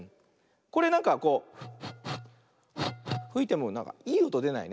これなんかこうふいてもなんかいいおとでないね。